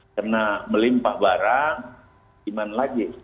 karena melimpah barang lima juta lagi